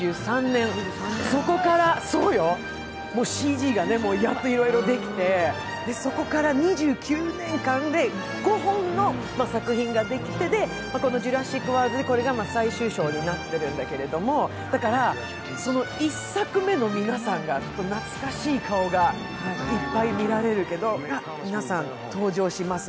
そこからＣＧがやっといろいろできてそこから２９年間で５本の作品が出来で、この「ジュラシック・ワールド」で最終章になってるんだけどだからその１作目の皆さんの懐かしい顔がいっぱい見られるけど、皆さん、登場します。